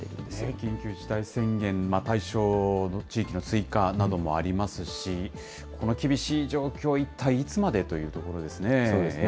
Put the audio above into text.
緊急事態宣言対象の地域の追加などもありますし、この厳しい状況、一体いつまでというところですね。